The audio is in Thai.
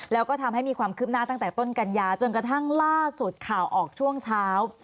แล้วก็ทำให้มีความคืบหน้าตั้งแต่ต้นกันยาจนกระทั่งล่าสุดข่าวออกช่วงเช้า